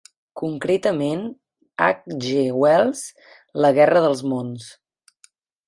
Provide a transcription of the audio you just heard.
Concretament, H. G. Wells 'la guerra dels mons'.